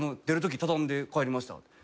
出るとき畳んで帰りました」